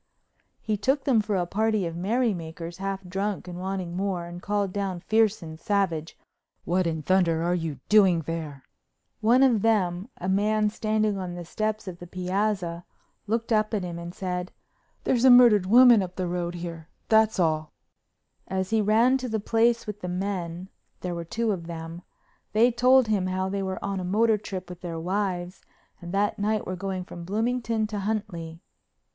He took them for a party of merry makers, half drunk and wanting more, and called down fierce and savage: "What in thunder are you doing there?" One of them, a man standing on the steps of the piazza, looked up at him and said: "There's a murdered woman up the road here, that's all." As he ran to the place with the men—there were two of them—they told him how they were on a motor trip with their wives and that night were going from Bloomington to Huntley.